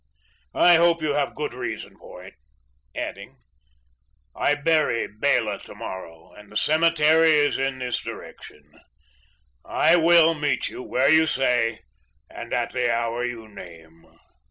I hope you have good reason for it;" adding, "I bury Bela to morrow and the cemetery is in this direction. I will meet you where you say and at the hour you name."